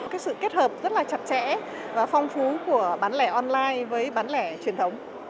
cái sự kết hợp rất là chặt chẽ và phong phú của bán lẻ online với bán lẻ truyền thống